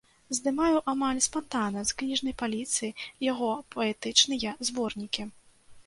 Здымаю амаль спантанна з кніжнай паліцы яго паэтычныя зборнікі.